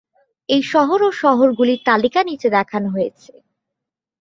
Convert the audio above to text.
এই শহর ও শহরগুলির তালিকা নিচে দেখানো হয়েছে।